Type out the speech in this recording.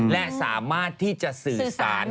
และสามารถที่จะสื่อสาร